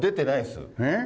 えっ？